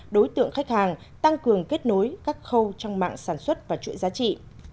đối tượng khách hàng tăng cường kết nối các khâu trong mạng sản xuất và chuỗi giá trị